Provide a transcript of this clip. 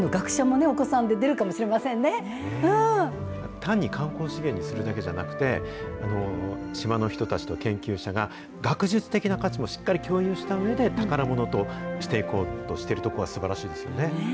単に観光資源にするだけじゃなくて、島の人たちと研究者が、学術的な価値もしっかり共有したうえで、宝物としているところがすばらしいですよね。